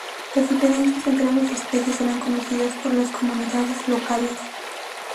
Las diferencias entre ambas especies eran conocidas por las comunidades locales.